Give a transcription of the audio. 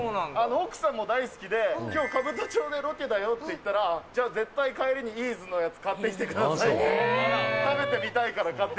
奥さんも大好きで、きょう、兜町でロケだよって言ったら、じゃあ絶対、帰りにイーズのやつ買ってきてくださいって。